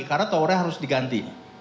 karena towernya harus diganti